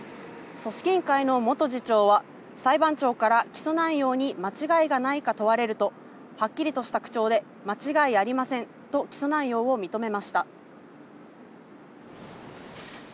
組織委員会の元次長は、裁判長から起訴内容に間違いがないか問われると、はっきりとした口調で間違いありませんと起訴内容を認めました。